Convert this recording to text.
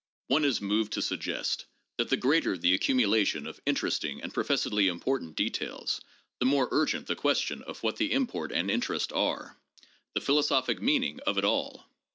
One is moved to suggest that the greater the accumulation of interesting and professedly important details, the more urgent the question of what the import and interest are : the philosophic meaning of it all.